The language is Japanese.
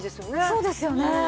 そうですよね！